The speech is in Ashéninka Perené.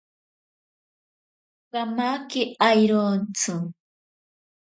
Kamake airontsi.